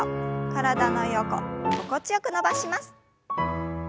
体の横心地よく伸ばします。